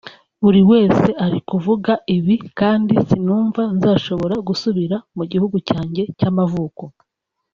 Buri wese ari kuvuga ibi kandi sinumva nzashobora gusubira mu gihugu cyanjye cy’amavuko